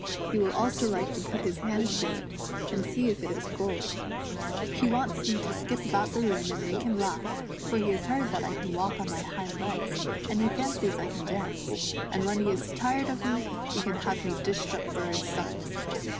He will also like to put his hands through it, and see if it is gold. He wants me to skip about the room and make him laugh, for he ha.s 74 SUNBEAM AND HER WHITE RABBIT. heard that I can walk on my hind le.c^s, and he fancies I can dance ; and when he is tired of me he can have me dished up for his supper."